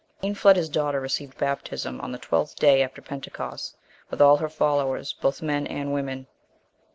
Eanfled, his daughter, received baptism, on the twelfth day after Pentecost, with all her followers, both men and women.